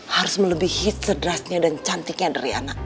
harus melebihi cederasnya dan cantiknya dari anak